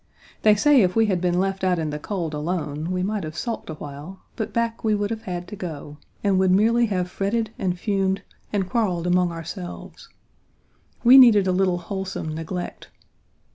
They say if we had been left out in the cold alone, we might have sulked a while, but back we would have had to go, and would merely have fretted and fumed and quarreled among ourselves. We needed a little wholesome neglect.